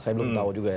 saya belum tahu juga ya